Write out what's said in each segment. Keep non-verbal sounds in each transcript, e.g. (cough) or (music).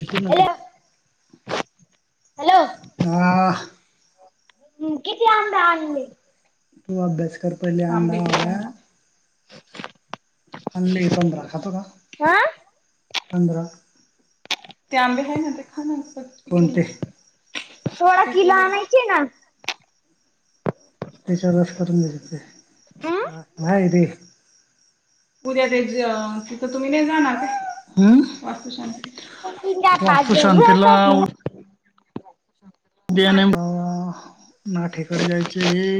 तिथे ना हॅलो तर (unintelligible) हम्म किती आंब्या आणले? तू अभ्यास कर पहिले आंबे आलाय. (unintelligible) आणलंय पंधरा खातो का? ह पंधरा ते आंबे आहे ना ते खाण्या, कोणते? सोळा किलो पिकलेले. आणायची ना. त्याच्या रस करून देत ते का नाही रे. उद्या ते ज तिथं तुम्ही नाही जाणार काय वास्तुशांती वास्तुशांतीला (unintelligible) देणं बाबा नाठेकडे जायचय.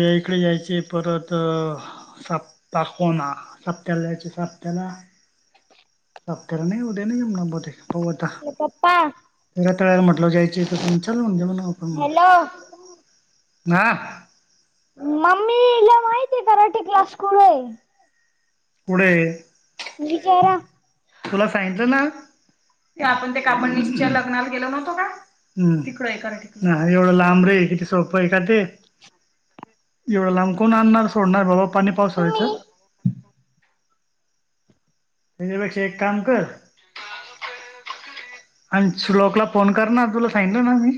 ये इकडे यायचेय परत अ साप पाक कोणा सापट्याला जायचे साप त्याला सापट्याला नाही उद्या नाही जमणार बहुतेक पवता पप्पा हिला तळायला म्हटलं जायची तर तु चल म जेऊन या आपण मग. हॅलो ना मम्मीला माहती आहे कराठी क्लास कुडे आहे. पुढे विचारा तुला सांगितलं ना ते तो का हम्म तिकडे एकारया ठिकाणी नाय एवढं लांबरे आहे किती सोपं आहे का ते? एवढं लांब कोण आणणार सोडणार बाबा पाणी पावसाळ्याचा. तुम्ही त्याच्यापेक्षा एक काम कर आणि श्लोकला फोन कर ना तुला सांगितलं ना मी.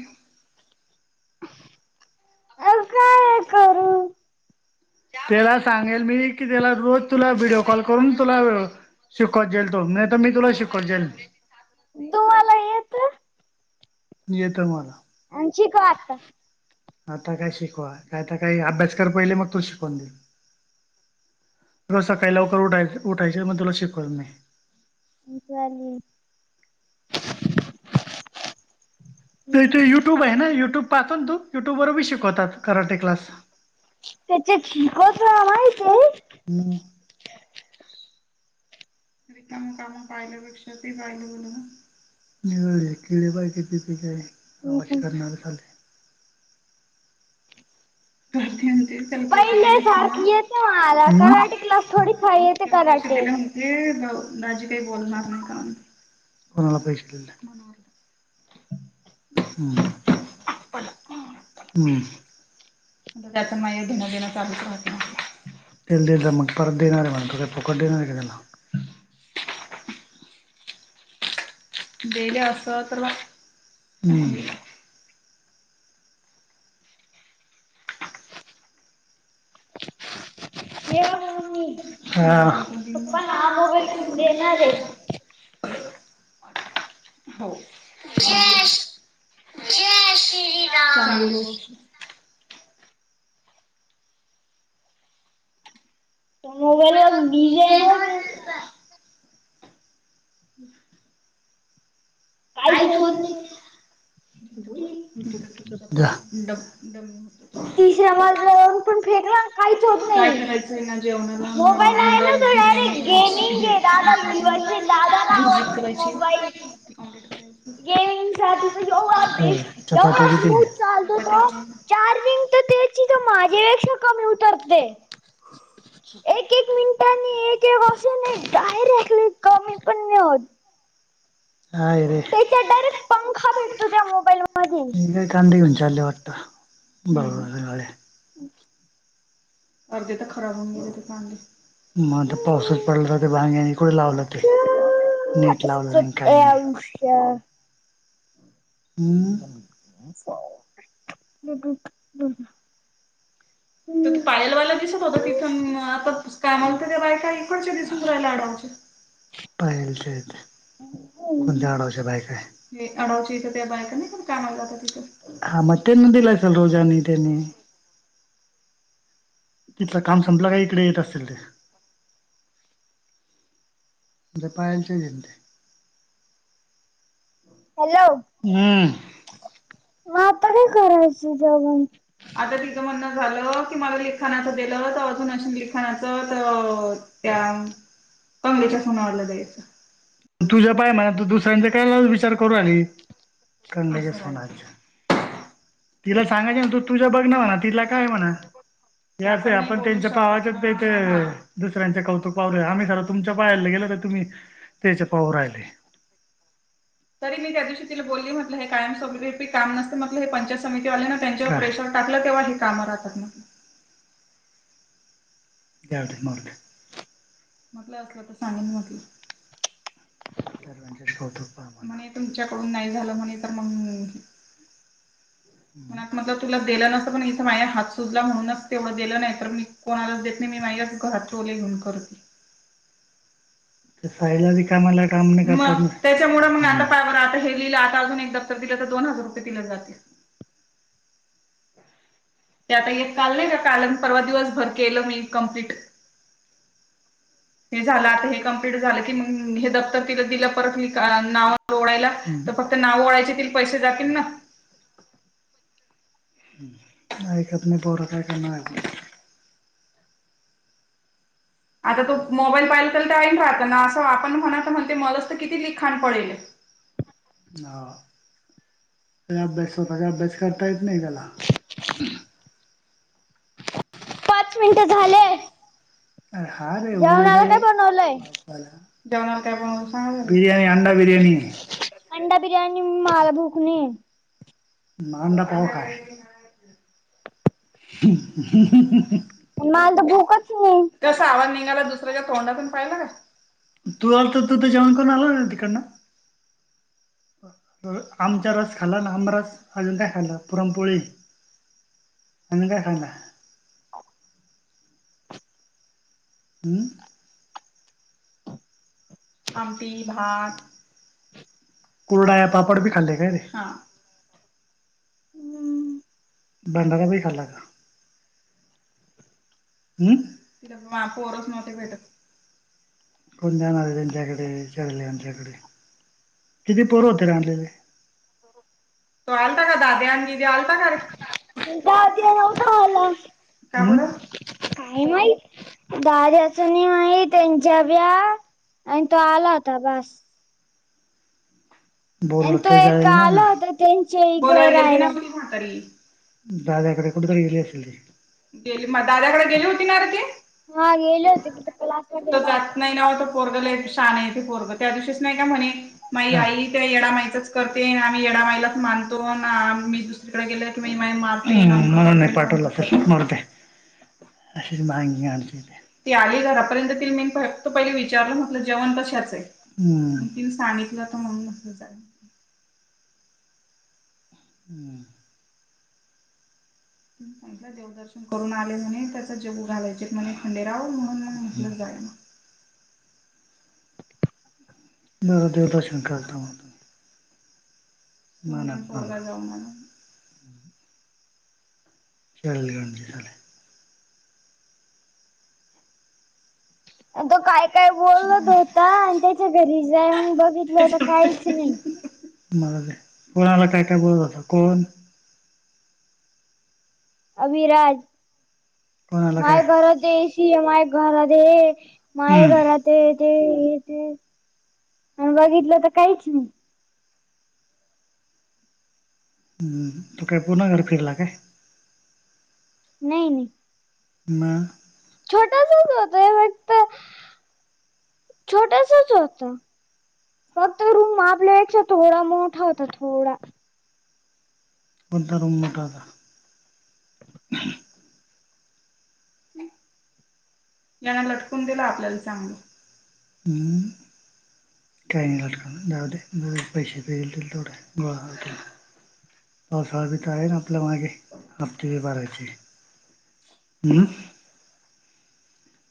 (unintelligible) त्याला सांगेल मी कि त्याला रोज तुला व्हिडओ कॉल करून तुला अ शिकवत जाईल तो नाही तर मी तुला शिकवत जाईल तुम्हाला येत येत मला. (unintelligible) आता काय शिकवा कायता काय अभ्यास कर पहिले मग तू शिकवून देई. रोज सकाळी लवकर उठाय उठायचे मग तुला शिकवन मी. इथे आली ते इथे युट्यूब आहे ना युट्यूब पाहतून तू युट्यूब वरी शिकवतात कराटे क्लास. त्याचे छीकोचा आवा आहे इथे म रिकामे कामं पाहिल्यापेक्षा ते पाहिलं बरं ना. (unintelligible) किडे पायके पिकचे आहे आवाज करणार चाल ह ह्यानी ते त्याला पैसे पहिले दिले होती ना सारखी येते मला हम्म कराटे क्लास थोडी येते त्याला पैसे कराटे दिले म्हण ते नौ नाजी काही बोलणार नाही कारण कोणाला पैसे दिले हम्म हम्म. त्यात माय घेणं देणं चालूच राहत ना तेल देलता मग परत देणार आहे म्हणा तो काय फोकट देणार आहे काय त्याला देले असता तर हम्म. (unintelligible) तू पण हा मोबाईल घेऊन देणार आहे हो. (unintelligible) त्या मोबाईल वर डिझाईन वैगरे हम्म. काय चोर ली तू डब डमी होतो तिसऱ्या मजाल्यावर पण फेकला काहीच होत काय नाही करायचंय ना जेवणाला मग मोबाईल आहे ना तो बिर्याणी डायरेक्ट करायची गेमिंग हे आहे दादाज दादाला भुर्जी आवडत तो करायची मोबाईल (unintelligible) ऑमलेट (unintelligible) गेमिंग साठी तो एवढा हो बेस्ट चपात्या एवढा किती? स्मूथ चालतो तो चपात्या चार्जिंग तर त्याची माझ्यापेक्षा कमी उतरतेय एक एक मिनिटानी एक एक (unintelligible) डायरेली कमी पण नाही होत (unintelligible) त्याच्यात डायरेक्ट पंखा भेटतो त्या मोबाईल मध्ये बरं आहे (unintelligible) (unintelligible) मग पावसच पडला तर ते भांग्यानीकडे लावलं की नेट लावल र काही नाही (unintelligible) हम्म (unintelligible) तर त पायलवायला दिसत होत तिथून आता काय मागत ते बाय काही पायल च्या इथे कोणत्या आडावाच्या बायक आहे (unintelligible) (unintelligible) तिथलं काम संपलं का इकडे येत असल ते जपायचे गते (unintelligible) (inaudible) त्या पंगलेच्या फोनवडला जायचं तुझ्या पाय म्हणा तू दुसऱ्यांचा कायला विचार करू आली तिला सांगायच ना तू तुझ्या बघ ना म्हणा तिला काय म्हणा या आपण त्यांच्या पावाच्याथ दुसऱ्यांच्या कौतुक (inaudible) (unintelligible) (inaudible) (inaudible) (inaudible) (unintelligible) (unintelligible) म म्हटलं तुला दिलं नसत पण इथं माझ्या हात सुजला म्हणूनच तेवढं दिलं नाही तर मी कोणालाच (inaudible) साईला कामाला काम त्याच्यामुळे मग पाया आता हे अजून एक दातर दिलं तर दोन हजार रुपये दिले जातील ते आता एक काल नाही का काल परवा दिवस भर केलं मी कंप्लीट (unintelligible) हे झालं आता हे कंप्लीट झालं की हे दप्त तिला दिलं परत नावडायला फक्त नाव वळाायचीतील पैसे जतील ना. ह ऐकत नाही पोर बर काय. आता तो मोबाईल पाहिल कल तर आईन राहत ना असं आपण म्हणा तर म्हणते मलाच तर किती लिखाण पडेल. हो अभ्यास कसा अभ्यास करता येत नाही त्याला. पाच मिनिट झालेय. हार होऊ दे रे. बनवलंय जेवणाला काय बनवणार सांगा त्याला बिर्याणी अंडा बिर्याणी. अंडा बिर्याणी माला भूक नाहीय म अंडा पाव खा. मला तर भूकच नाही (unintelligible) कस आवाज निघायला दुसऱ्याच्या तोंडातून पाहिला का? तू आल तर तू तर जेवण करून आला तिकडना. आमचा रस खाला ना आमही रस अजून का खाल्ला पुरणपोळी. मन कालं हम्म आमटी भात कुरडया या पापड भी खाल्ले काय रे? हम्म बांडाला ब हल्ला का ह् तर दिवस नव्हते भेटत. कोण जाणारे त्यांच्याकडे विचारले त्यांच्याकडे. किती पोर होते रा आणलेले? तो आलता का दाद्या आण दीदे आलता का रे. दाद्या नव्हता आला. काय बर काय माहीत दाद्याच नाही माहीत. त्यांच्या व्या आणि तो आला होता बास. बोल आणि तो तर एक जाईल ना आला होता त्यांच्या इकडे बोलायला गेल की ना राहायला. क म्हातारी. दाद्याकडे कुठरी गेली असेल गे म दाद्याकडे गेली होती नार ती? हा गेली होती (unintelligible) वाला पोरगला शान आहे तेे पोरग त्या दिवशीच नाही का म्हणे माई आई. येडामाईचाच करते आम्ही येडामाईलाच मानतो मी दुसरीकडे गेल की मा मा. म्हणून नाही पाठवला तर मरुदे. अ ती आली घरापर्यंत मी फक्त पहि विचारलं म्हटलं जेवण. त सांगितलं म्हणून. हम्म देवदर्शन करून आले म्हणे त्याचा जगू घालायचे म्हणे खंडेराव म्हणून म्हटलं. मग. (unintelligible) (unintelligible) देव दर्शन करता. मला (unintelligible) त काय काय बोलत होता आणि त्याच्या घरी जावून बघितलं होत काहीच नाही. मला कोणाला काय काय बोलत होता कोण. अभिराज कोणाला काय माये घर इी माय घर माये हम्म घरात ते ते आणि बघितलं तर काहीच नाही. तु काय पुर घरी फिरला का? नाही नाही. मग छोटासाच होतोय फक्त छोटासाच होता फक्त रूम आपल्यापेक्षा थोडा मोठा होता थोडा पण दारम मठाता हम् याना लटकून दिला आपल्याला चांगलं काही घटक द पैसे प गोळा होतीलना पावसाळा बी तर आहे ना आपल्या मागे हफ्ती ब बारायचे म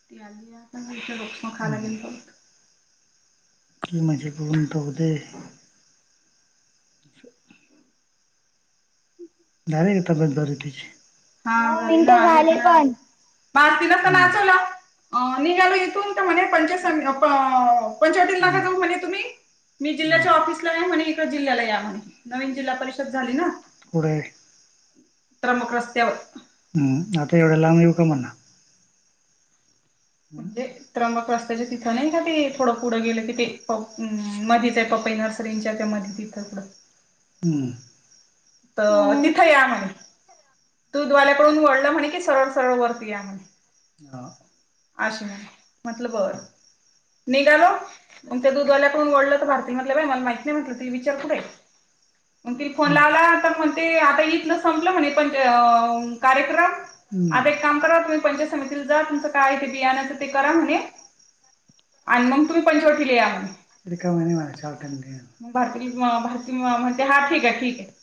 तियाल आप लक्षण खा लागल बत की मझी पघूनंतघध (unintelligible) दर ग तबास बरी तची हा नऊ झारी ना मिनिटं आलीत झाले ना पण मजतीला तर नाचवला निघालो इथून तर म्हणे पंचा पंचास लाखा जाऊ म्हणे तुम्ही मी जिल्ह्याच्या ऑफिसला आहे म्हणे इका जिल्ह्याला या म्हणे नवीन जिल्हा परिषद झाली ना पु मक रस्त्यावर हम्म आता एवढं लांब येऊ का म्हणना णजे त्रंबक रस्त्याचे तिथं नाही का ते थोडं पुढं गेलं कि ते मध प नर्सरीच्या त्या म तर हम्म. तिथं या म्हणे तू द्वाल्याकडून वळल म्हणे की सरळ सरळ वरती या म्हणे अश म्हटलं बर निघालो मग त्या दूधवाल्याकडून वओढलं तर भारती म्हटलं बा मला माहिती नाही म्हटलं तु विचारत र मग त फोनला आला मग ते आता इथ ना संपलं म्हणे पण कार्यक्रम आता एक काम करा तुम्ही पंचायत समितीला जा तुमचं काय आहे बियाण्याचं ते करा म्हणे आणि मग तुम्ही पं शेवटी ल या मातमते हा ठीक आहे ठीक आहे